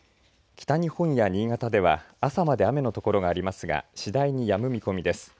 北日本や新潟では朝まで雨の所がありますが次第にやむ見込みです。